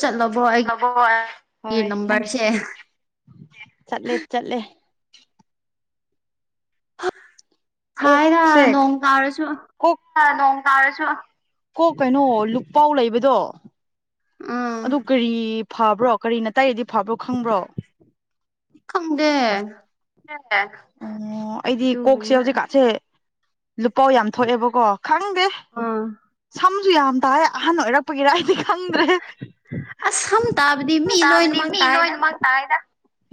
ꯆꯠꯂꯕꯣ ꯑꯩꯒꯤ [inaudible] ꯍꯣꯏ ꯅꯪꯒꯤ ꯅꯝꯕꯔꯁꯦ ꯆꯠꯂꯦ ꯆꯠꯂꯦ ꯁꯥꯏꯔ ꯅꯣꯡ ꯇꯥꯔꯁꯨ ꯀꯣꯛꯇ ꯅꯣꯡ ꯇꯥꯔꯁꯨ ꯀꯣꯛ ꯀꯩꯅꯣ ꯂꯨꯄꯧ ꯂꯩꯕꯗꯣ ꯎꯝ ꯑꯗꯨ ꯀꯔꯤ ꯐꯕ꯭ꯔꯣ ꯀꯔꯤꯇꯩꯔꯒ ꯐꯕ꯭ꯔꯣ ꯈꯪꯕ꯭ꯔꯣ ꯈꯪꯗꯦ [unintelligible] ꯑ‌ꯣ ꯑꯩꯗꯤ ꯀꯣꯛꯁꯦ ꯑꯗꯨꯒꯨꯝꯕ ꯍꯧꯖꯤꯛꯀꯁꯦ ꯂꯨꯄꯧ ꯌꯥꯝ ꯊꯣꯛꯑꯦꯕꯀꯣ ꯈꯪꯗꯦ ꯑꯥ ꯁꯝꯁꯨ ꯌꯥꯝ ꯇꯥꯏ ꯑꯍꯟ ꯑꯣꯏꯔꯛꯄꯒꯤꯔꯍꯥꯏꯗꯤ ꯈꯪꯗ꯭ꯔꯦꯍ‌ꯦ ꯑꯁ ꯁꯝ ꯇꯥꯕꯗꯤ ꯁꯝ ꯃꯤ ꯇꯥꯕꯗꯤ ꯂꯣꯏꯅꯃꯛ ꯃꯤ ꯇꯥꯏꯗ ꯂꯣꯏꯅꯃꯛ ꯇꯥꯏꯗ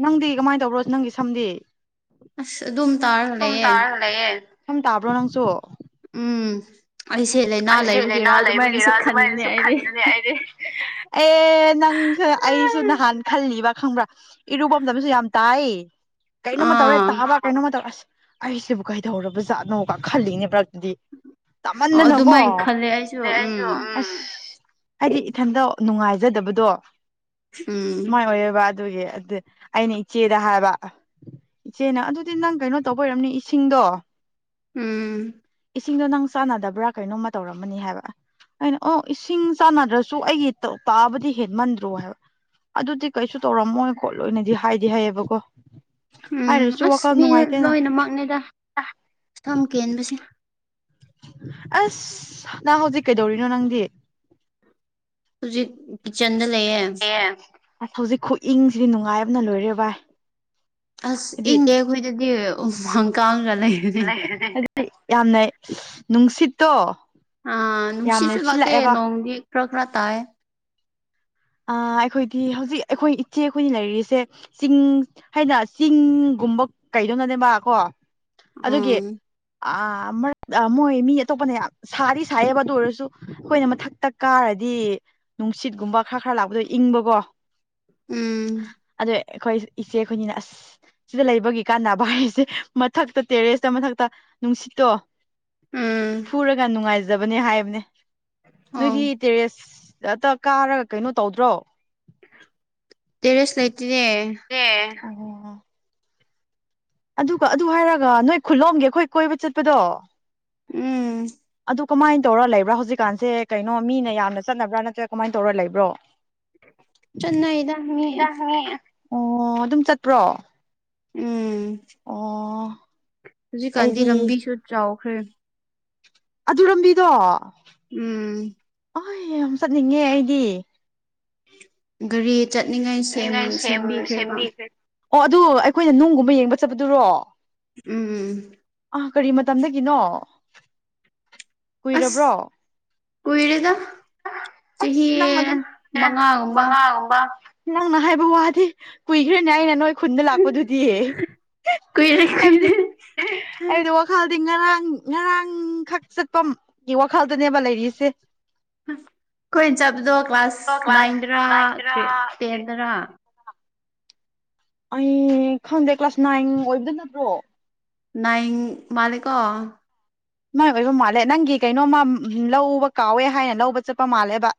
ꯅꯪꯗꯤ ꯀꯃꯥꯏ ꯇꯧꯕ꯭ꯔꯣ ꯅꯪꯒꯤ ꯁꯝꯗꯤ ꯑꯁ ꯑꯗꯨꯝ ꯇꯥꯔꯒ ꯁꯨꯝ ꯂꯩꯌꯦ ꯇꯥꯔꯒ ꯂꯩꯌꯦ ꯁꯨꯝ ꯇꯥꯕ꯭ꯔꯣ ꯅꯪꯁꯨ ꯎꯝ ꯑꯩꯁꯦ ꯑꯁ ꯂꯥꯏꯅꯥ ꯑꯩꯁꯦ ꯂꯥꯏꯅꯥ ꯂꯩꯕꯒꯤꯔ ꯂꯩꯕꯒꯤꯔꯥ ꯑꯗꯨꯃꯥꯏꯅꯁꯨ ꯈꯟꯕꯅꯦ ꯑꯗꯨꯃꯥꯏꯅꯁꯨ ꯑꯩꯗꯤ ꯈꯟꯕꯅꯦ ꯑꯩꯗꯤ ꯑꯦ ꯅꯪꯁꯨ ꯑꯩꯁꯨ ꯅꯍꯥꯟ ꯈꯜꯂꯤꯕ ꯈꯪꯕ꯭ꯔꯥ ꯏꯔꯨꯕꯝꯗꯁꯨ ꯌꯥꯝ ꯇꯥꯏ ꯀꯩꯅꯣꯝꯃ ꯇꯧꯔꯦ ꯑꯥ ꯇꯥꯕ ꯀꯩꯅꯣꯝꯃ ꯇꯧꯔꯦ ꯑꯁ ꯑꯩꯁꯤꯕꯨ ꯀꯩꯗꯧꯔꯕ ꯖꯥꯠꯅꯣꯒ ꯈꯜꯂꯤꯅ‌ꯦꯕ ꯑꯩꯗꯤ ꯇꯃꯟꯗꯅꯀꯣ ꯑꯩꯁꯨ ꯎꯝ ꯑꯁ ꯍꯥꯏꯗꯤ ꯏꯊꯟꯇ ꯅꯨꯡꯉꯥꯏꯖꯗꯕꯗꯣ ꯎꯝ ꯃꯥꯏ ꯑꯣꯏꯔ‌ꯦꯕ ꯑꯗꯨꯒꯤ ꯑꯗꯨ ꯑꯩꯅ ꯏꯆꯦꯗ ꯍꯥꯏꯕ ꯏꯆꯦꯅ ꯑꯗꯨꯗꯤ ꯅꯪ ꯀꯩꯅꯣ ꯇꯧꯕꯩ ꯑꯣꯏꯔꯝꯅꯤ ꯅꯪ ꯏꯁꯤꯡꯗꯣ ꯎꯝ ꯏꯁꯤꯡꯗꯣ ꯅꯪ ꯆꯥꯟꯅꯗ꯭ꯔꯥꯕ ꯀꯩꯅꯣꯝꯃ ꯇꯧꯔꯝꯃꯅꯤ ꯍꯥꯏꯕ ꯑꯩꯅ ꯑꯣ ꯏꯁꯤꯡ ꯆꯥꯟꯅꯗ꯭ꯔꯁꯨ ꯑꯩꯒꯤ ꯇꯥꯕꯗꯤ ꯍꯦꯟꯃꯟꯗ꯭ꯔꯣ ꯍꯥꯏꯕ ꯑꯗꯨꯗꯤ ꯀꯩꯁꯨ ꯇꯧꯔꯝꯃꯣꯏ ꯈꯣꯠꯂꯣꯏꯅꯗꯤ ꯍꯥꯏꯗꯤ ꯍꯥꯏꯌꯦꯕꯀꯣ ꯎꯝ ꯍꯥꯏꯔꯁꯨ ꯑꯁ ꯋꯥꯈꯜ ꯃꯤ ꯅꯨꯡꯉꯥꯏꯇꯦꯅ ꯏꯟꯕꯁꯤ ꯑꯁ ꯅꯪ ꯍꯧꯖꯤꯛ ꯀꯩꯗꯧꯔꯤꯅꯣ ꯅꯪꯗꯤ ꯍꯧꯖꯤꯛ ꯀꯤꯠꯆꯟꯗ ꯂꯩꯌꯦ ꯑ‌ꯦ ꯑꯁ ꯍꯧꯖꯤꯛ ꯈꯨꯏꯪꯁꯤꯗꯤ ꯅꯨꯡꯉꯥꯏꯕꯅ ꯂꯣꯏꯔꯦ ꯚꯥꯏ ꯑꯁ ꯍꯥꯏꯗꯤ ꯏꯪꯗ‌ꯦ ꯑꯩꯈꯣꯏꯗꯗꯤ ꯎꯍꯥꯡ ꯀꯥꯡꯂ ꯂꯩꯔ‌ꯦ ꯌꯥꯝꯅ ꯅꯨꯡꯁꯤꯠꯇꯣ ꯑ ꯌꯥꯝꯅ ꯅꯨꯡꯁꯤꯠꯁꯨꯨ ꯂꯥꯛꯇꯦ ꯁꯤꯜꯂꯛꯑꯦꯕ ꯅꯣꯡꯗꯤ ꯈ꯭ꯔ ꯈ꯭ꯔ ꯇꯥꯏꯌ‌ꯦ ꯑꯥ ꯑꯩꯈꯣꯏꯗꯤ ꯍꯧꯖꯤꯛ ꯑꯩꯈꯣꯏ ꯏꯆꯦ ꯑꯩꯈꯣꯏꯅꯤ ꯂꯩꯔꯤꯁꯦ ꯆꯤꯡ ꯍꯥꯏꯅ ꯆꯤꯡꯒꯨꯝꯕ ꯀꯩꯗꯧꯅꯦꯕ ꯀꯣ ꯑꯗꯨꯒꯤ ꯎꯝ ꯑꯥ ꯃꯔꯛ ꯑꯥ ꯃꯣꯏ ꯃꯤ ꯑꯇꯣꯞꯄꯅ ꯌꯥꯝ ꯁꯥꯗꯤ ꯁꯥꯏꯌꯦꯕ ꯑꯗꯨ ꯑꯣꯏꯔꯁꯨ ꯑꯈꯣꯏꯅ ꯃꯊꯛꯇ ꯀꯥꯔꯗꯤ ꯅꯨꯡꯁꯤꯠꯀꯨꯝꯕ ꯈꯔ ꯈꯔ ꯂꯥꯛꯄꯗꯣ ꯏꯪꯕꯀꯣ ꯎꯝ ꯑꯗꯩ ꯑꯩꯈꯣꯏ ꯏꯆꯦ ꯈꯣꯏꯅꯤꯅ ꯑꯁ ꯁꯤꯗ ꯂꯩꯕꯒꯤ ꯀꯥꯟꯅꯕ ꯍꯥꯏꯔꯤꯁꯦ ꯃꯊꯛꯇ ꯇꯦꯔꯦꯁꯇ ꯃꯊꯛꯇ ꯅꯨꯡꯁꯤꯠꯇꯣ ꯎꯝ ꯐꯨꯔꯒ ꯅꯨꯡꯉꯥꯏꯖꯕꯅꯦ ꯍꯥꯏꯕꯅꯦ ꯑꯣ ꯅꯣꯏꯒꯤ ꯇꯦꯔꯦꯁ ꯑꯇ ꯀꯥꯔꯒ ꯀꯩꯅꯣ ꯇꯧꯗ꯭ꯔꯣ ꯇꯦꯔꯦꯁ ꯂꯩꯇꯤꯅꯦ ꯑꯦ ꯑꯗꯨꯒ ꯑꯗꯨ ꯍꯥꯏꯔꯒ ꯅꯣꯏ ꯈꯨꯜꯂꯣꯝꯒꯤ ꯑꯩꯈꯣꯏ ꯀꯣꯏꯕ ꯆꯠꯄꯗꯣ ꯎꯝ ꯑꯗꯨ ꯀꯃꯥꯏꯅ ꯇꯧꯔ ꯂꯩꯕ꯭ꯔꯥ ꯍꯧꯖꯤꯛꯀꯥꯟꯁꯦ ꯀꯩꯅꯣ ꯃꯤꯅ ꯌꯥꯝꯅ ꯆꯠꯅꯕ꯭ꯔꯥ ꯅꯠꯇ꯭ꯔꯒ ꯀꯃꯥꯏ ꯇꯧꯔ ꯂꯩꯕ꯭ꯔꯣ? ꯆꯠꯅꯩꯗ ꯃꯤ [unintelligible] ꯑꯣ ꯑꯗꯨꯝ ꯆꯠꯄ꯭ꯔꯣ? ꯎꯝ ꯑꯣ ꯍꯨꯖꯤꯛꯀꯥꯟꯗꯤ ꯑꯩꯗꯤ ꯂꯝꯕꯤꯁꯨ ꯆꯥꯎꯈ꯭ꯔꯦ꯫ ꯑꯗꯨ ꯔꯝꯕꯤꯗꯣ ꯎꯝ ꯑꯣꯏ ꯌꯥꯝ ꯆꯠꯅꯤꯡꯉꯦ ꯑꯩꯗꯤ꯫ ꯒꯥꯔꯤ ꯆꯠꯅꯤꯡꯉꯥꯏ ꯁꯦꯝ ꯆꯠꯅꯤꯡꯉꯥꯏ ꯁꯦꯝꯕꯤꯈ꯭ꯔꯦꯕ꯫ ꯁꯦꯝꯕꯤꯈ꯭ꯔꯦ ꯑꯣ ꯑꯗꯨ ꯑꯩꯈꯣꯏꯅ ꯅꯨꯡꯒꯨꯝꯕ ꯌꯦꯡꯕ ꯆꯠꯄꯗꯨꯔꯣ? ꯎꯝ ꯑꯥ ꯀꯔꯤ ꯃꯇꯝꯗꯒꯤꯅꯣ ꯑꯁ ꯀꯨꯏꯔꯕ꯭ꯔꯣ? ꯀꯨꯏꯔꯦꯗ ꯆꯍꯤ ꯑꯁ ꯅꯪꯅ ꯑꯗꯨꯝ ꯑꯦ ꯃꯉꯥꯒꯨꯝꯕ ꯃꯉꯥꯒꯨꯝꯕ ꯅꯪꯅ ꯍꯥꯏꯕ ꯋꯥꯗꯤ ꯀꯨꯏꯈ꯭ꯔꯦꯅꯦ ꯑꯩꯅ ꯅꯣꯏ ꯈꯨꯟꯗ ꯂꯥꯛꯄꯗꯨꯗꯤ꯫ ꯀꯨꯏꯔꯦ ꯍꯥꯏꯕꯗꯤ ꯀꯨꯏꯔꯦ ꯍꯥꯏꯗ ꯋꯥꯛ ꯈꯜꯗꯤ ꯉꯔꯥꯡ ꯉꯔꯥꯡ ꯈꯛ ꯆꯠꯄꯒꯤ ꯋꯥꯈꯜꯗꯅꯦꯕ ꯂꯩꯔꯤꯁꯦ꯫ ꯈꯣꯏꯅ ꯆꯠꯄꯗꯣ ꯀ꯭ꯂꯥꯁ ꯀ꯭ꯂꯥꯁ ꯅꯥꯏꯟꯗꯔ ꯅꯥꯏꯟꯗꯔꯥ ꯇꯦꯟꯗꯔꯥ? ꯑꯩ ꯈꯪꯗꯦ ꯀ꯭ꯂꯥꯁ ꯅꯥꯏꯟ ꯑꯣꯏꯕꯗ ꯅꯠꯇ꯭ꯔꯣ ꯅꯥꯏꯟ ꯃꯥꯂꯤꯀꯣ ꯃꯥꯏ ꯑꯣꯏꯕ ꯃꯥꯜꯂꯦ ꯅꯪꯒꯤ ꯀꯩꯅꯣꯝꯃ ꯂꯧꯕ ꯀꯥꯎꯋꯦ ꯍꯥꯏꯅ ꯂꯧꯕ ꯆꯠꯄ ꯃꯥꯜꯂꯦꯕ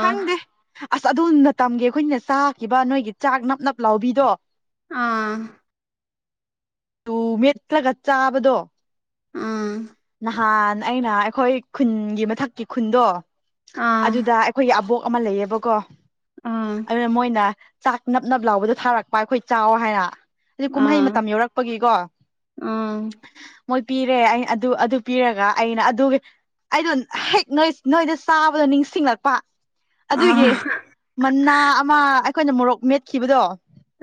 ꯈꯪꯗꯦ ꯑꯁ ꯑꯗꯨ ꯃꯇꯝꯒꯤ ꯑꯩꯈꯣꯏꯅ ꯆꯥꯈꯤꯕ ꯅꯣꯏꯒꯤ ꯆꯥꯛ ꯅꯞ ꯅꯞ ꯂꯥꯎꯕꯤꯗꯣ ꯑꯥ ꯇꯨ ꯃꯦꯠꯂꯒ ꯆꯥꯕꯗꯣ ꯑꯥ ꯅꯍꯥꯟ ꯑꯩꯅ ꯑꯩꯈꯣꯏ ꯈꯨꯟꯒꯤ ꯃꯊꯛꯀꯤ ꯈꯨꯟꯗꯣ ꯑ ꯑꯗꯨꯗ ꯈꯣꯏꯒꯤ ꯑꯕꯣꯛ ꯑꯃ ꯂꯩꯌꯦꯕꯀꯣ ꯑ ꯑ ꯑꯗꯨꯅ ꯃꯣꯏꯅ ꯆꯥꯛ ꯅꯞ ꯅꯞ ꯂꯥꯎꯕꯗꯣ ꯊꯥꯔꯛꯄ ꯑꯩꯈꯣꯏ ꯆꯥꯎ ꯍꯥꯏꯔ ꯍꯨꯖꯤꯛ ꯀꯨꯝꯍꯩ ꯃꯇꯝ ꯌꯧꯔꯛꯄꯒꯤꯀꯣ ꯎꯝ ꯃꯣꯏ ꯄꯤꯔꯦ ꯑꯩ ꯑꯟ ꯑꯗꯨ ꯑꯗꯨ ꯄꯤꯔꯒ ꯑꯩꯅ ꯑꯗꯨꯒꯤ ꯑꯩꯗꯣ ꯍꯦꯛ ꯅꯣꯏ ꯅꯣꯏꯗ ꯆꯥꯕꯗꯣ ꯅꯤꯡꯁꯤꯡꯂꯛꯄ ꯑꯗꯨꯒꯤ ꯑ ꯃꯅꯥ ꯑꯃ ꯑꯩꯈꯣꯏꯅ ꯃꯣꯔꯣꯛ ꯃꯦꯠꯈꯤꯕꯗꯣ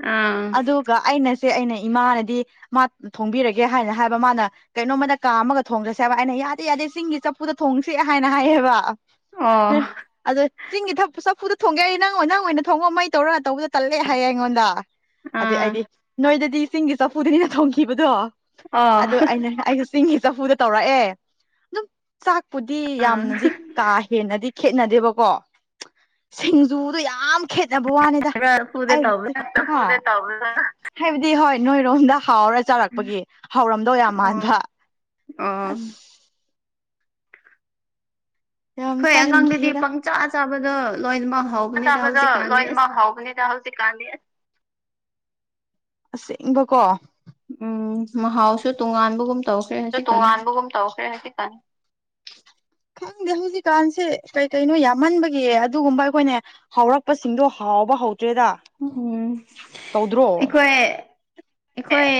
ꯑ ꯑꯗꯨ ꯒ ꯑꯩꯅꯁꯦ ꯑꯩꯅ ꯏꯃꯥꯅꯗꯤ ꯃꯥ ꯊꯣꯡꯕꯤꯔꯒꯦ ꯍꯥꯏꯅ ꯍꯥꯏꯕ ꯃꯥꯅ ꯀꯩꯅꯣꯝꯃꯗ ꯀꯥ ꯑꯃꯒ ꯊꯣꯡꯔꯁꯦ ꯍꯥꯏꯕ ꯑꯩꯅ ꯌꯥꯗꯦ ꯌꯥꯗꯦ ꯆꯤꯡꯒꯤ ꯆꯐꯨꯗ ꯊꯣꯡꯁꯦ ꯍꯥꯏꯅ ꯍꯥꯏꯌꯦꯕ ꯑꯣ ꯑꯗꯣ ꯆꯤꯡꯒꯤ ꯆꯐꯨ ꯆꯐꯨꯗ ꯊꯣꯡꯒꯦ ꯅꯪ ꯉꯣ ꯅꯪ ꯑꯣꯏꯅ ꯊꯣꯡꯉꯣ ꯃꯩ ꯇꯧꯔꯒ ꯇꯧꯕꯗ ꯇꯜꯂꯦ ꯍꯥꯏꯌꯦ ꯑꯩꯉꯣꯟꯗ ꯑꯗꯨ ꯑꯩꯗꯤ ꯑ ꯅꯣꯏꯗꯗꯤ ꯆꯤꯡꯒꯤ ꯆꯐꯨꯗꯅꯤꯅ ꯊꯣꯡꯈꯤꯕꯗꯣ ꯑꯣ ꯑꯗꯨ ꯑꯩꯅ ꯑꯩꯁꯨ ꯆꯤꯡꯉꯤ ꯆꯐꯨꯗ ꯇꯧꯔꯛꯑꯦ ꯑꯗꯨꯝ ꯆꯥꯛꯄꯨꯗꯤ ꯑ ꯌꯥꯝꯅꯗꯤ ꯀꯥ ꯍꯦꯟꯅꯗꯤ ꯈꯦꯠꯅꯗꯦꯕꯀꯣ ꯁꯤꯡꯖꯨꯗꯣ ꯌꯥꯝ ꯈꯦꯠꯅꯕ ꯋꯥꯅꯤ ꯍꯥꯏꯕ꯭ꯔꯥ ꯂꯐꯨꯗ ꯇꯧꯕ꯭ꯔꯥ [unintelligible] ꯍꯥꯏꯕꯗꯤ ꯍꯣꯏ ꯅꯣꯏꯔꯣꯝꯗ ꯍꯥꯎꯔ ꯆꯥꯔꯛꯄꯒꯤ ꯍꯧꯔꯝꯗꯧ ꯌꯥꯝ ꯃꯥꯟꯕ ꯑꯣ ꯑꯣ ꯑꯁ ꯌꯥꯝ ꯑꯈꯣꯏ ꯑꯉꯥꯡꯗꯨꯗꯤ ꯆꯥꯅꯤꯡꯈꯤꯌꯦꯗ ꯄꯪꯆ ꯆꯥꯕꯗ ꯂꯣꯏꯅꯃꯛ ꯍꯥꯎ ꯄꯡꯆꯥ ꯆꯕꯗ ꯂꯣꯏꯃꯛ ꯍꯥꯎꯕꯅꯤꯗ ꯍꯧꯖꯤꯛ ꯀꯥꯟꯗꯤ ꯑꯁꯦꯡꯕꯀꯣ ꯎꯝ ꯃꯍꯥꯎꯁꯨ ꯇꯣꯉꯥꯟꯕꯒꯨꯝ ꯇꯧꯈ꯭ꯔꯦ ꯍꯧꯖꯤꯛꯀꯥꯟ ꯇꯣꯉꯥꯟꯕꯒꯨꯝ ꯇꯧꯈ꯭ꯔꯦ ꯍꯧꯖꯤꯛꯀꯥꯟ ꯈꯪꯗꯦ ꯍꯧꯖꯤꯛꯀꯥꯟꯁꯦ ꯀꯩ ꯀꯩꯅꯣ ꯌꯥꯝꯃꯟꯕꯒꯤ ꯑꯗꯨꯒꯨꯝꯕ ꯑꯩꯈꯣꯏꯅꯦ ꯍꯧꯔꯛꯄꯁꯤꯡꯗꯣ ꯍꯥꯎꯕ ꯍꯧꯗ꯭ꯔꯦꯗ ꯎꯝ ꯇꯧꯗ꯭ꯔꯣ ꯑꯩꯈꯣꯏ ꯑꯩꯈꯣꯏ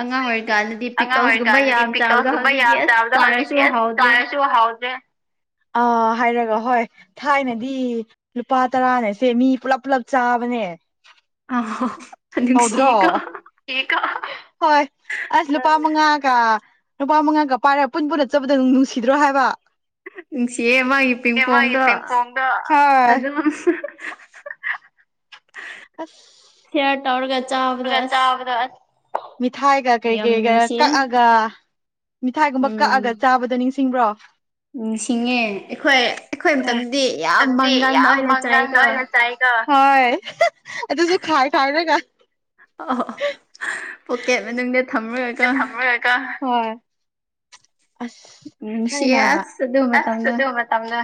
ꯑꯉꯥꯡ ꯑꯣꯏꯔꯤꯀꯥꯟꯗꯗꯤ ꯑꯉꯥꯡ ꯄꯤꯀꯜꯁꯀꯨꯝꯕ ꯑꯣꯏꯔꯤꯀꯥꯟꯗꯗꯤ ꯌꯥꯝ ꯆꯥꯕꯗꯣ ꯄꯤꯀꯜꯁꯀꯨꯝꯕ ꯍꯧꯖꯤꯛꯇꯤ ꯌꯥꯝ ꯑꯁ ꯆꯥꯕꯗꯣ ꯆꯥꯔꯁꯨ ꯍꯧꯖꯤꯛꯇꯤ ꯑꯁ ꯍꯥꯎꯗ꯭ꯔꯦ ꯆꯥꯔꯁꯨ ꯍꯥꯎꯗ꯭ꯔꯦ ꯑꯥ ꯍꯥꯏꯔꯒ ꯍꯣꯏ ꯊꯥꯏꯅꯗꯤ ꯂꯨꯄꯥ ꯇꯔꯥꯅꯦꯁꯦ ꯃꯤ ꯄꯨꯂꯞ ꯄꯨꯂꯞ ꯆꯥꯕꯅꯦ [unintelligible] ꯅꯨꯡꯁꯤꯀꯣ ꯇꯧꯗ꯭ꯔꯣ [unintelligible] ꯍꯣꯏ ꯑꯁ ꯂꯨꯄꯥ ꯃꯉꯥ ꯀ ꯂꯨꯄꯥ ꯃꯉꯥꯒ ꯄꯥꯏꯔ ꯄꯨꯟ ꯄꯨꯟꯅ ꯆꯠꯄꯗꯣ ꯅꯨꯡꯁꯤꯗ꯭ꯔꯣ ꯍꯥꯏꯕ ꯅꯨꯡꯁꯤꯌꯦ ꯃꯥꯒꯤ ꯑꯦ ꯃꯥꯒꯤ ꯄꯤꯡꯄꯣꯡꯗꯣ ꯄꯤꯡꯄꯣꯡꯗꯣ ꯑꯗꯨꯝ ꯑꯁ ꯁꯤꯑꯔ ꯇꯧꯔꯒ ꯆꯥꯎ ꯁꯤꯑꯔ ꯇꯧꯔꯑ ꯆꯥꯕꯗ ꯑꯁ ꯃꯤꯊꯥꯏꯒ ꯀꯩ ꯌꯥꯝ ꯀꯩꯒ ꯅꯨꯡꯁꯤꯌꯦ ꯀꯛꯑꯒ ꯃꯤꯊꯥꯏꯒꯨꯝꯕ ꯀꯛꯑꯒ ꯎꯝ ꯆꯥꯕꯗꯣ ꯅꯤꯡꯁꯤꯡꯕ꯭ꯔꯣ ꯅꯤꯡꯁꯤꯡꯉꯦ ꯑꯩꯈꯣꯏ ꯑꯩꯈꯣꯏ ꯃꯇꯝꯗꯗꯤ ꯌꯥꯝ ꯃꯇꯝꯗꯤ ꯃꯪꯒꯜ ꯌꯥꯝ ꯑꯣꯏꯅ ꯃꯪꯒꯟ ꯆꯥꯏꯀꯣ ꯑꯣꯏꯅ ꯆꯥꯏꯀꯣ ꯍꯣꯏ ꯑꯗꯁꯨꯨ ꯈꯥꯏ ꯈꯥꯏꯔꯒ ꯄꯣꯀꯦꯠ ꯃꯅꯨꯡꯗ ꯊꯝꯔꯒ ꯊꯝꯔꯒꯀꯣ ꯍꯣꯏ ꯑꯁ ꯅꯨꯡꯁꯤꯌꯦ ꯊꯥꯏꯅ ꯑꯁ ꯑꯗꯨ ꯑꯁ ꯃꯇꯝꯗꯣ ꯑꯗꯨ ꯃꯇꯝꯗ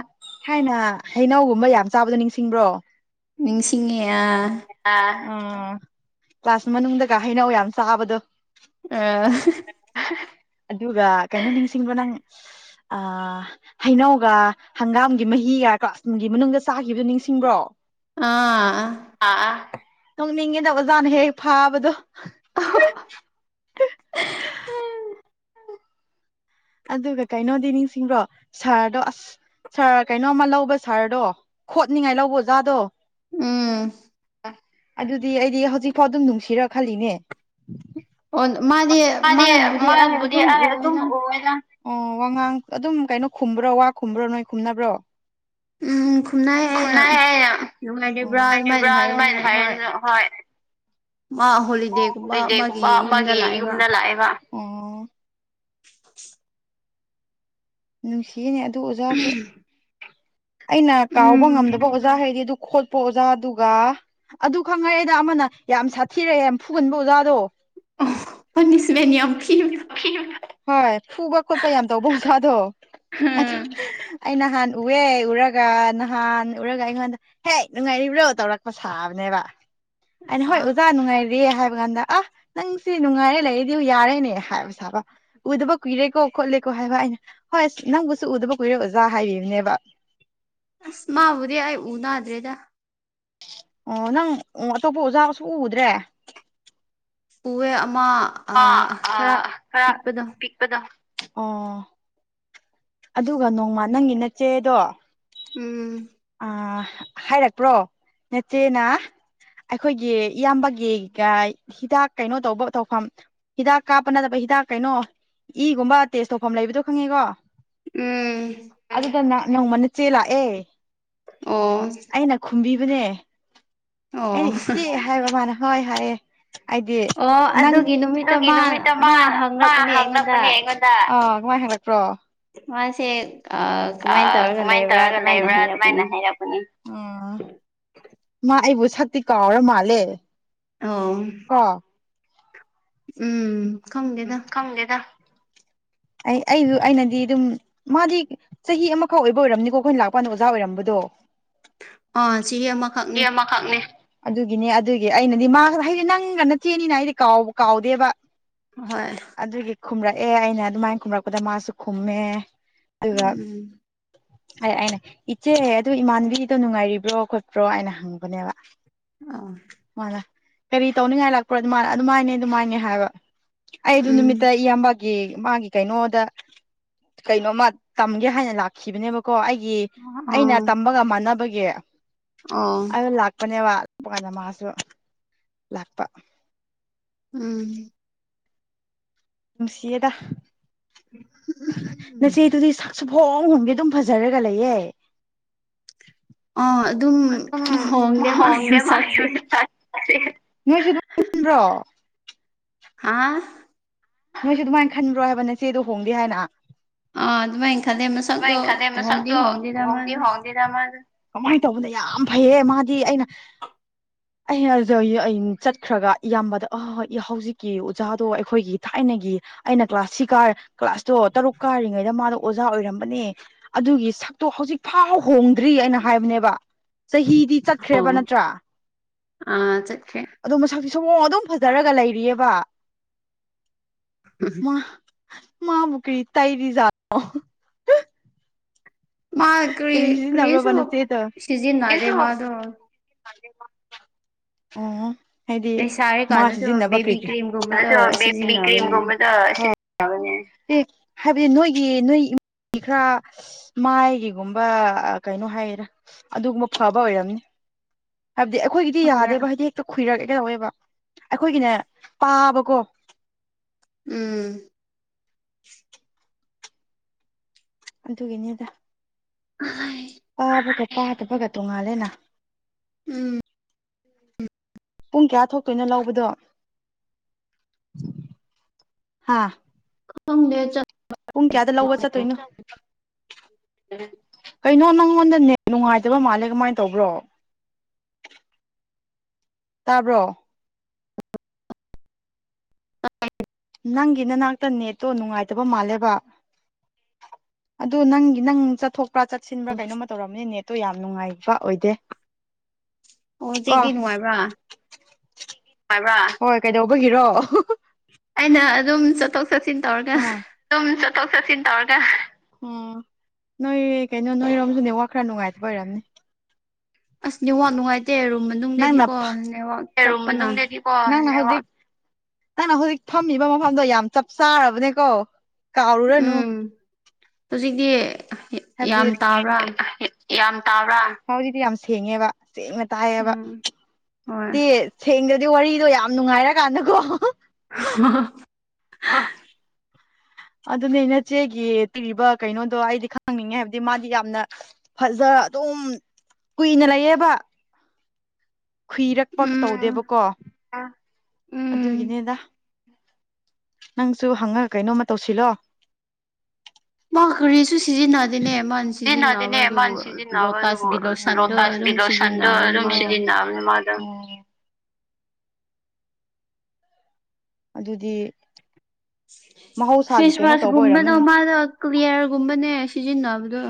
ꯊꯥꯏꯅ ꯍꯩꯅꯧꯒꯨꯝꯕ ꯌꯥꯝ ꯆꯥꯕꯗꯣ ꯅꯤꯡꯁꯤꯡꯕ꯭ꯔꯣ ꯅꯤꯡꯁꯤꯡꯉꯦ ꯑ ꯎꯝ ꯀ꯭ꯂꯥꯁ ꯃꯅꯨꯡꯗꯒ ꯍꯩꯅꯧ ꯌꯥꯝ ꯆꯥꯕꯗꯣ ꯑꯥ ꯑꯗꯨꯒ ꯀꯩꯅꯣ ꯅꯤꯡꯁꯤꯡꯕ ꯅꯪ ꯑ ꯍꯩꯅꯧꯒ ꯍꯪꯒꯥꯝꯒꯤ ꯃꯍꯤꯒ ꯀ꯭ꯂꯥꯁꯒꯤ ꯃꯅꯨꯡꯗ ꯆꯥꯈꯤꯕꯗꯣ ꯅꯤꯡꯁꯤꯡꯕ꯭ꯔꯣ ꯑꯥ ꯑꯥꯥ ꯅꯣꯛꯅꯤꯡꯉꯤꯗ ꯑꯣꯖꯥꯅ ꯍꯦꯛ ꯐꯥꯕꯗꯣ ꯑꯥ ꯑꯗꯨꯒ ꯀꯩꯅꯣꯗꯤ ꯅꯤꯡꯁꯤꯡꯕ꯭ꯔꯣ ꯁꯥꯔꯗꯣ ꯑꯁ ꯁꯥꯔ ꯀꯩꯅꯣꯝꯃ ꯂꯧꯕ ꯁꯥꯔꯗꯣ ꯈꯣꯠꯅꯤꯉꯥꯏ ꯂꯧꯕ ꯑꯣꯖꯥꯗꯣ ꯎꯝ ꯑꯑꯗꯨꯗꯤ ꯑꯩꯗꯤ ꯍꯧꯖꯤꯛ ꯐꯥꯎ ꯑꯗꯨꯝ ꯅꯨꯡꯁꯤꯔ ꯈꯜꯂꯤꯅꯦ ꯑꯣ ꯃꯥꯗꯤ ꯃꯥꯗꯤ ꯑꯩ ꯃꯥꯕꯨꯗꯤ ꯑꯥꯏ ꯑꯗꯨꯝ ꯎꯋꯦꯗ ꯑꯨꯏꯑꯦꯗ ꯑꯣ ꯋꯥꯉꯥꯡ ꯑꯗꯨꯝ ꯀꯩꯅꯣ ꯈꯨꯝꯕ꯭ꯔꯣ ꯋꯥ ꯈꯨꯝꯕ꯭ꯔꯣ ꯅꯣꯏ ꯈꯨꯝꯅꯕ꯭ꯔꯣ ꯎꯝ ꯈꯨꯝꯅꯥꯏ ꯑꯩ ꯈꯨꯝꯅꯩ ꯑꯩꯅ ꯅꯨꯡꯉꯥꯏꯔꯤꯕ꯭ꯔꯥ ꯑꯗꯨꯃꯥꯏꯅ ꯍꯥꯏꯌꯦ ꯍꯣꯏ ꯃꯥ ꯑꯣ ꯍꯣꯂꯤꯗꯦꯒꯨꯝꯕ ꯍꯣꯂꯤꯗꯦꯒꯨꯝꯕ ꯃꯥꯒꯤ ꯌꯨꯝꯗ ꯑꯃꯒꯤ ꯂꯥꯛꯑꯦꯕ ꯌꯨꯝꯗ ꯂꯥꯛꯑꯦꯕ ꯑꯣ [unintelligible] ꯅꯨꯡꯁꯤꯌꯦꯅꯦ ꯑꯗꯨ ꯑꯣꯖꯥꯁꯨ ꯑꯩꯅ ꯀꯥꯎꯕ ꯎꯝ ꯉꯝꯗꯕ ꯑꯣꯖꯥ ꯍꯥꯏꯔꯗꯤ ꯑꯗꯨ ꯈꯣꯠꯄ ꯑꯣꯖꯥꯗꯨꯒ ꯑꯗꯨ ꯈꯪꯉꯔꯦꯗ ꯑꯃꯅ ꯌꯥꯝ ꯁꯥꯊꯤꯔꯛꯑꯦ ꯌꯥꯝ ꯐꯨꯒꯟꯕ ꯑꯣꯖꯥꯗꯣ ꯄꯅꯤꯁꯃꯦꯟꯠ ꯌꯥꯝ ꯄꯤꯕꯗꯣ [unintelligible] ꯍꯣꯏ ꯐꯨꯕ ꯈꯣꯠꯄ ꯌꯥꯝ ꯇꯧꯕꯧꯖꯥꯗꯣ ꯑꯗꯨ ꯑꯩ ꯅꯍꯥꯟ ꯎꯑꯦ ꯎꯔꯒ ꯅꯍꯥꯟ ꯎꯔꯒ ꯑꯩꯉꯣꯟꯗ ꯍꯦꯛ ꯅꯨꯡꯉꯥꯏꯔꯤꯕ꯭ꯔꯣ ꯇꯧꯔꯛꯄ ꯁꯥꯕꯅꯦꯕ ꯑꯩꯅ ꯍꯣꯏ ꯑꯥ ꯑꯣꯖꯥ ꯅꯨꯡꯉꯥꯏꯔꯦ ꯍꯥꯏꯕ ꯀꯥꯟꯗ ꯑ ꯅꯪꯁꯤ ꯅꯨꯡꯉꯥꯏꯔꯥ ꯂꯩꯔꯤ ꯗꯤꯌꯨ ꯌꯥꯔꯦꯅꯦ ꯍꯥꯏꯕ ꯁꯥꯕ ꯎꯗꯕ ꯀꯨꯏꯔꯦꯀꯣ ꯈꯣꯠꯂꯦꯀꯣ ꯍꯥꯏꯕ ꯑꯩꯅ ꯍꯣꯏ ꯑꯁ ꯅꯪꯕꯨꯁꯨ ꯎꯗꯕ ꯀꯨꯏꯔꯦ ꯑꯣꯖꯥ ꯍꯥꯏꯕꯤꯕꯅꯦꯕ ꯑꯁ ꯃꯥꯕꯨꯗꯤ ꯑꯩ ꯎꯅꯗ꯭ꯔꯦꯗ ꯑꯣ ꯅꯪ ꯑꯇꯣꯞꯄ ꯑꯣꯖꯥꯒ ꯁꯨꯛꯎ ꯎꯗ꯭ꯔꯦ ꯄꯨꯋꯦ ꯑꯃ ꯑ ꯑꯥ ꯑ ꯈꯔ ꯈꯔ ꯄꯤꯛꯄꯗꯣ ꯄꯤꯛ ꯑꯗꯨꯗꯣ ꯑꯣ ꯑꯗꯨꯒ ꯅꯣꯡꯃ ꯅꯪꯒꯤ ꯅꯆꯦꯗꯣ ꯎꯝ ꯑ ꯍꯥꯏꯔꯛꯄ꯭ꯔꯣ ꯅꯦꯆꯦꯅ ꯑꯩꯈꯣꯏꯒꯤ ꯏꯌꯥꯝꯕꯒꯤꯒ ꯍꯤꯗꯥꯛ ꯀꯩꯅꯣ ꯇꯧꯕ ꯇꯧꯐꯝ ꯍꯤꯗꯥꯛ ꯀꯥꯞꯄ ꯅꯠꯇꯕ ꯍꯤꯗꯥꯛ ꯀꯩꯅꯣ ꯏꯒꯨꯝꯕ ꯇꯦꯁ ꯇꯧꯐꯝ ꯂꯩꯕꯗꯣ ꯈꯪꯉꯦꯀꯣ ꯎꯝ ꯑꯗꯨꯗꯅ ꯅꯣꯡꯃ ꯅꯆꯦ ꯂꯥꯛꯑꯦ ꯑꯣ ꯑꯩꯅ ꯈꯨꯝꯕꯤꯕꯅꯦ ꯑꯣ ꯑꯩꯅ ꯏꯆꯦ ꯍꯥꯏꯕ ꯃꯥꯅ ꯍꯣꯏ ꯍꯥꯏꯌꯦ ꯍꯥꯏꯗꯤ ꯑꯣ ꯅꯪ ꯑꯗꯨꯒꯤ ꯅꯨꯃꯤꯠꯇ ꯑꯗꯨꯒꯤ ꯃꯥ ꯅꯨꯃꯤꯠꯇ ꯃꯥ ꯃꯥ ꯍꯪꯂꯛꯄꯅꯦ ꯑꯩꯉꯣꯟꯗ ꯍꯥꯡꯉꯛꯄꯅꯦ ꯑꯩꯉꯣꯟꯗ ꯑ ꯀꯃꯥꯏꯅ ꯍꯪꯪꯂꯛꯄ꯭ꯔꯣ ꯃꯥꯁꯦ ꯑ ꯀꯃꯥꯏꯅ ꯇꯧꯔꯒ ꯀꯃꯥꯏꯅ ꯂꯩꯕ꯭ꯔꯥ ꯇꯧꯔꯒ ꯑꯗꯨꯃꯥꯏꯅ ꯂꯩꯕ꯭ꯔꯥ ꯑꯗꯨꯃꯥꯏꯅ ꯍꯩꯔꯛꯄꯅꯦ ꯑ ꯍꯥꯏꯔꯛꯄꯅꯦ ꯃꯥ ꯑꯩꯕꯨ ꯁꯛꯇꯤ ꯀꯥꯎꯔ ꯃꯥꯜꯂꯦ ꯑꯥꯎ ꯀꯣ ꯎꯝ ꯈꯪꯗꯦꯗ ꯈꯪꯗꯦꯗ ꯑꯩ ꯑꯩꯁꯨ ꯑꯩꯅꯗꯤ ꯑꯗꯨꯝ ꯃꯥꯗꯤ ꯆꯍꯤ ꯑꯃꯈꯛ ꯑꯣꯏꯕ ꯑꯣꯏꯔꯝꯅꯤꯀꯣ ꯑꯩꯈꯣꯏꯅ ꯂꯥꯛꯄꯗ ꯑꯣꯖꯥ ꯑꯣꯏꯔꯝꯕꯗꯣ ꯑꯥ ꯆꯍꯤ ꯑꯃꯈꯛꯅꯤ ꯈꯛꯅꯦ ꯑꯗꯨꯒꯤꯅꯦ ꯑꯗꯨꯒꯤ ꯑꯩꯅꯗꯤ ꯃꯥ ꯍꯥꯏꯗꯤ ꯅꯪꯒ ꯅꯆꯦꯅꯤꯅ ꯍꯥꯏꯗꯤ ꯀꯥꯎꯕ ꯀꯥꯎꯗꯦꯕ ꯍꯣꯏ ꯑꯗꯨꯒꯤ ꯈꯨꯝꯔꯛꯑꯦ ꯑꯩꯅ ꯑꯗꯨꯃꯥꯏꯅ ꯈꯨꯝꯔꯛꯄꯗ ꯃꯥꯁꯨ ꯈꯨꯝꯃꯦ ꯑꯗꯨꯒ ꯎꯝ ꯑ ꯑꯩꯅ ꯏꯆꯦ ꯑꯗꯨ ꯏꯃꯥꯟꯕꯤꯗꯣ ꯅꯨꯡꯉꯥꯏꯔꯤꯕ꯭ꯔꯣ ꯈꯣꯠꯄ꯭ꯔꯣ ꯍꯥꯏꯅ ꯍꯪꯕꯅꯦꯕ ꯑ ꯃꯥꯅ ꯀꯔꯤ ꯇꯧꯅꯤꯡꯉꯥꯏ ꯂꯥꯛꯄ꯭ꯔꯣ ꯑꯗꯨꯃꯅ ꯑꯗꯨꯃꯥꯏꯅꯦ ꯑꯗꯨꯃꯥꯏꯅꯦ ꯍꯥꯏꯕ ꯑꯩ ꯑꯗꯨ ꯅꯨꯃꯤꯠꯇ ꯏꯌꯥꯝꯕ ꯒꯤ ꯃꯥꯒꯤ ꯀꯩꯅꯣꯗ ꯀꯩꯅꯣꯃ ꯇꯝꯒꯦ ꯍꯥꯏꯅ ꯂꯥꯛꯈꯤꯕꯅꯦꯕ ꯀꯣ ꯑꯩꯒꯤ ꯑꯩꯅ ꯇꯝꯕꯒ ꯃꯥꯟꯅꯕꯒꯤ ꯑꯣ ꯑꯗꯨ ꯂꯥꯛꯄꯅꯦꯕ ꯂꯥꯛꯄꯀꯥꯟꯗ ꯃꯥꯁꯨ ꯂꯥꯛꯄ꯫ [unintelligible] ꯎꯝ꯫ ꯅꯨꯡꯁꯤꯌꯦꯗ ꯅꯆꯦ ꯑꯗꯨꯗꯤ ꯁꯁꯨ ꯍꯣꯡ ꯍꯣꯡꯗꯦ ꯑꯗꯨꯝ ꯐꯖꯔꯒ ꯂꯩꯌꯦ ꯑꯥ ꯑꯗꯨꯝ ꯍꯣꯡꯗꯦ ꯃꯥꯒꯤ ꯃꯁꯛꯁꯦ [unintelligible] ꯅꯣꯏꯁꯨ ꯑꯗꯨꯝ ꯄꯨꯟꯕ꯭ꯔꯣ ꯍꯥꯥ ꯅꯣꯏꯁꯨ ꯑꯗꯨꯃꯥꯏꯅ ꯈꯟꯕ꯭ꯔꯣ ꯍꯥꯏꯕ ꯅꯆꯦꯗꯣ ꯍꯣꯡꯗꯦ ꯍꯥꯏꯅ ꯑꯥ ꯑꯗꯨꯃꯥꯏꯅ ꯈꯜꯂꯦ ꯃꯥ ꯃꯥꯏꯅ ꯈꯜꯂꯦ ꯃꯁꯛꯇꯣ ꯍꯣꯡꯗꯤ ꯍꯣꯡ ꯀꯃꯥꯏꯅ ꯇꯧꯕꯅꯣ ꯌꯥꯝ ꯐꯩꯌꯦ ꯃꯥꯗꯤ ꯑꯩꯅ [unintelligible] ꯆꯠꯈ꯭ꯔꯒ ꯏꯌꯥꯝꯕꯗ ꯑꯥ ꯍꯧꯖꯤꯛꯀꯤ ꯑꯣꯖꯥꯗꯣ ꯑꯩꯈꯣꯏꯒꯤ ꯊꯥꯏꯅꯒꯤ ꯑꯩꯅ ꯀ꯭ꯂꯥꯁꯁꯤ ꯀꯥꯔꯥ ꯀ꯭ꯂꯥꯁꯇꯣ ꯇꯔꯨꯛ ꯀꯥꯔꯤꯉꯩꯗ ꯃꯥꯗꯣ ꯑꯣꯖꯥ ꯑꯣꯏ ꯕꯅꯦ ꯑꯗꯨꯒꯤ ꯁꯛꯇꯣ ꯍꯧꯖꯤꯛ ꯐꯥꯎ ꯍꯣꯡꯗ꯭ꯔꯤ ꯑꯩꯅ ꯍꯥꯏꯕꯅꯦꯕ ꯆꯍꯤꯗꯤ ꯑꯣ ꯆꯠꯈ꯭ꯔꯦꯕ ꯅꯠꯇ꯭ꯔꯥ? ꯑꯥ ꯆꯠꯈ꯭ꯔꯦ ꯑꯗꯣ ꯃꯁꯛꯇꯤ ꯁꯨꯝꯑꯣꯡ ꯑꯗꯨꯝ ꯐꯖꯔꯒ ꯂꯩꯔꯤꯌꯦꯕ ꯃꯥ ꯃꯥꯕꯨ ꯀꯔꯤ ꯇꯩꯔꯤꯖꯥꯠꯅꯣ? ꯃꯥ ꯀꯔꯤ ꯁꯤꯖꯤꯟꯅꯕ꯭ꯔꯕ ꯀꯔꯤꯁꯨ ꯅꯆꯦꯗꯣ ꯁꯤꯖꯤꯟꯅꯗꯦ ꯏꯁ ꯃꯥꯗꯣ ꯑꯣ ꯍꯥꯏꯗꯤ ꯃꯥ ꯂꯩꯁꯥꯔꯤꯀꯥꯟꯗꯁꯨ ꯁꯤꯖꯤꯟꯅꯕ ꯀꯔꯤ ꯕꯦꯕꯤ ꯀꯦ ꯀ꯭ꯔꯤꯝꯒꯨꯝꯕꯗꯣ [unintelligible] ꯕꯤꯕꯤ ꯀ꯭ꯔꯤꯝ ꯁꯤꯖꯤꯟꯅꯕꯅꯦ ꯒꯨꯝꯕ ꯑꯦ ꯍꯥꯏꯕꯗꯤ ꯅꯣꯏꯒꯤ ꯅꯣꯏ ꯃꯤ ꯈꯔ ꯃꯥꯏꯒꯤꯒꯨꯝꯕ ꯀꯩꯅꯣ ꯍꯥꯏꯌꯦꯗ ꯑꯗꯨꯒꯨꯝꯕ ꯐꯕ ꯑꯣꯏꯔꯝꯅꯤ ꯍꯥꯏꯕꯗꯤ ꯑꯩꯈꯣꯏꯒꯤꯗꯤ ꯈꯪꯗꯦ ꯌꯥꯗꯦꯕ ꯍꯥꯏꯗꯤ ꯍꯦꯛꯇ ꯈꯨꯏꯔꯛꯀꯦ ꯇꯧꯏꯕ ꯑꯩꯈꯣꯏꯒꯤꯅ ꯄꯥꯕꯀꯣ ꯎꯝ ꯑꯗꯨꯒꯤꯅꯤꯗ ꯑꯥꯏ ꯄꯥꯕꯒ ꯄꯥꯗꯕꯒ ꯇꯣꯡꯉꯥꯜꯂꯦꯅ ꯎꯝ ꯄꯨꯡ ꯀꯌꯥ ꯊꯣꯛꯇꯣꯏꯅꯣ ꯂꯧꯕꯗꯣ ꯍꯥꯥ ꯈꯪꯗꯦ ꯆꯠ ꯄꯨꯡ ꯀꯌꯥꯗ ꯂꯧꯕ ꯆꯠꯇꯣꯏꯅꯣ ꯀꯩꯅꯣ ꯅꯪꯉꯣꯟꯗ ꯅꯦꯠ ꯅꯨꯡꯉꯥꯏꯇꯕ ꯃꯥꯜꯂꯦ ꯀꯃꯥꯏꯅ ꯇꯧꯕ꯭ꯔꯣ ꯇꯥꯕ꯭ꯔꯣ? ꯅꯪꯒꯤ ꯅꯅꯥꯛꯇ ꯅꯦꯠꯇꯣ ꯅꯨꯡꯉꯥꯏꯇꯕ ꯃꯥꯜꯂꯦꯕ ꯑꯗꯨ ꯅꯪꯒꯤ ꯅꯪ ꯆꯠꯊꯣꯛ ꯆꯠꯄ꯭ꯔꯥ ꯆꯠꯁꯤꯟꯕ꯭ꯔꯥ ꯀꯩꯅꯣꯃ ꯇꯧꯔꯝꯅꯤ ꯅꯦꯠꯇꯣ ꯌꯥꯝ ꯅꯨꯡꯉꯥꯏꯕ ꯑꯣꯏꯗꯦ ꯑꯣ ꯀꯣ ꯍꯧꯖꯤꯛꯗꯤ ꯅꯨꯡꯉꯥꯏꯕ꯭ꯔꯥ ꯍꯥꯏꯕ꯭ꯔꯥ ꯍꯣꯏ ꯀꯩꯗꯧꯕꯒꯤꯔꯣ ꯑꯩꯅ ꯑꯗꯨꯝ ꯆꯠꯊꯣꯛ ꯆꯠꯁꯤꯟ ꯇꯧꯔꯒ ꯑꯗꯨꯨꯝ ꯆꯠꯊꯣꯛ ꯆꯠꯁꯤꯟ ꯇꯧꯔꯒ ꯎꯝ ꯅꯣꯏ ꯀꯩꯅꯣ ꯅꯣꯏꯔꯣꯝꯁꯨ ꯅꯦꯠꯋꯥꯛ ꯈꯔ ꯅꯨꯡꯉꯥꯏꯇꯕ ꯑꯣꯏꯔꯝꯅꯤ ꯑꯁ ꯅꯦꯠꯋꯥꯛ ꯅꯨꯡꯉꯥꯏꯇꯦ ꯔꯨꯝ ꯃꯅꯨꯡꯗꯗꯤꯀꯣ ꯅꯦꯠꯋꯥꯛ ꯇꯞꯄꯅ [unintelligible] ꯅꯪꯅ ꯍꯧꯖꯤꯛ ꯅꯪꯅ ꯍꯧꯖꯤꯛ ꯐꯝꯃꯤꯕ ꯃꯐꯝꯗꯣ ꯌꯥꯝ ꯆꯞ ꯆꯥꯔꯕꯅꯦꯀꯣ ꯀꯥꯎꯔꯨꯔꯅꯨ ꯎꯝ ꯍꯧꯖꯤꯛꯇꯤ ꯌꯥꯝ ꯍꯥꯏꯕꯗꯤ ꯇꯥꯕ꯭ꯔꯥ ꯌꯥꯝ ꯇꯥꯕ꯭ꯔꯥ ꯍꯧꯖꯤꯛꯗꯤ ꯌꯥꯝ ꯁꯦꯡꯉꯦꯕ ꯁꯦꯡꯅ ꯇꯥꯏꯌꯦꯕ ꯎꯝ ꯍꯣꯏ [unintelligible] ꯁꯦꯡꯗꯗꯤ ꯋꯥꯔꯤꯗꯣ ꯌꯥꯝ ꯅꯨꯡꯉꯥꯏꯔꯀꯥꯟꯗꯀꯣ [unintelligible] [unintelligible] ꯑꯗꯨꯅꯦ ꯅꯆꯦꯒꯤ [unintelligible] ꯀꯩꯅꯣꯗꯣ ꯑꯩꯗꯤ ꯈꯪꯅꯤꯡꯉꯦ ꯍꯥꯏꯕꯗꯤ ꯃꯥꯗꯤ ꯌꯥꯝꯅ ꯐꯖ ꯑꯗꯨꯝ ꯀꯨꯏꯅ ꯂꯩꯌꯦꯕ ꯈꯨꯨꯏꯔꯛꯄ ꯎꯝ ꯇꯧꯗꯦꯕꯀꯣ ꯑꯥ ꯎꯝ ꯑꯗꯨꯒꯤꯅꯤꯗ ꯅꯪꯁꯨ ꯍꯪꯉꯒ ꯀꯩꯅꯣꯝꯃ ꯇꯧꯁꯤꯜꯂꯣ ꯃꯥ ꯀꯔꯤꯁꯨ ꯁꯤꯖꯤꯟꯅ ꯗꯤꯅꯦ ꯃꯥꯟ ꯁꯤꯖꯤꯟꯅꯗꯤꯅꯦ ꯁꯤꯖꯤꯟꯅꯕꯗꯨꯕꯨ ꯃꯥꯅ ꯁꯤꯖꯤꯟꯅꯕ ꯂꯣꯇꯁ ꯑꯗꯨꯕꯨ ꯒꯤ ꯂꯣꯁꯟꯗꯨ ꯂꯣꯇꯥꯁꯀꯤ ꯑꯗꯨꯝ ꯂꯣꯁꯟꯗꯣ ꯁꯤꯖꯤꯟꯅꯕꯅꯦ ꯑꯗꯨꯝ ꯃꯥꯗꯣ [unintelligible] ꯑꯗꯨꯗꯤ ꯃꯍꯧꯁꯥꯒꯤ ꯀꯩꯅꯣ ꯇꯧꯕ ꯐꯦꯁꯋꯥꯁꯒꯨꯝꯕꯗꯣ ꯑꯣꯏꯔꯝꯃꯅꯤ ꯃꯥꯗꯣ ꯀ꯭ꯌꯤꯌꯔꯒꯨꯝꯕꯅꯦ ꯁꯤꯖꯤꯟꯅꯕꯗꯣ